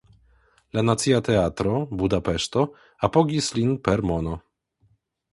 La Nacia Teatro (Budapeŝto) apogis lin per mono.